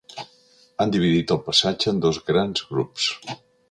Han dividit el passatge en dos grans grups.